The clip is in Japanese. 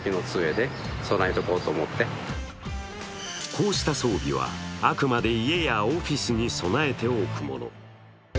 こうした装備はあくまで家やオフィスに備えておくもの。